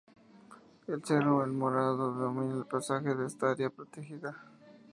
El Cerro El Morado domina el paisaje de esta área protegida.